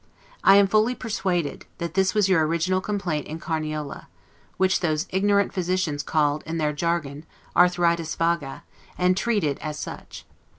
I am fully persuaded, that this was your original complaint in Carniola, which those ignorant physicians called, in their jargon, 'Arthritis vaga', and treated as such.